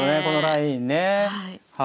このラインね。